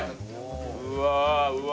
うわうわ。